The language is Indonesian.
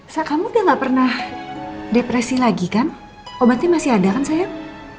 sa kamu udah gak pernah depresi lagi kan obatnya masih ada kan sayang